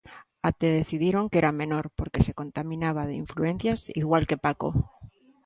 Até decidiron que era menor, porque se contaminaba de influencias, igual que Paco.